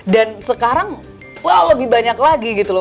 dan sekarang wow lebih banyak lagi gitu loh